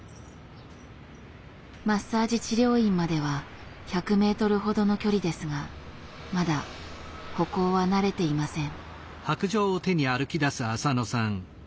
マッサージ治療院までは１００メートルほどの距離ですがまだ歩行は慣れていません。